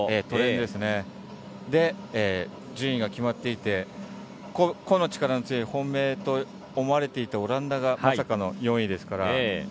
それで順位が決まっていて個の力が強い本命と思われていたオランダがまさかの４位ですから。